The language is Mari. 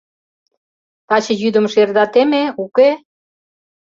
Таче йӱдым шерда теме, уке?